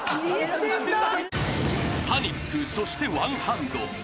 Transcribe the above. ［パニックそしてワンハンド］